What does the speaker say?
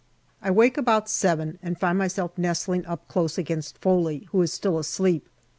I awake about seven and find myself nestling up close against Foley, who is still asleep.